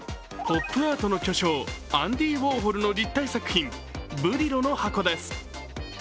ポップアートの巨匠アンディ・ウォーホルの立体作品「ブリロの箱」です。